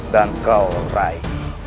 dan kau rai